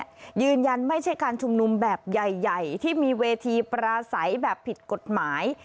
และยืนยันไม่ใช่การชุมนุมแบบใหญ่ที่มีเวทีปราศัยแบบผิดกฎหมาย